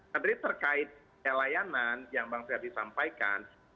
jadi terkait pelayanan yang bang friyati sampaikan